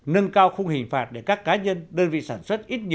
nâng cao khung hình phạt để các cá nhân đơn vị sản xuất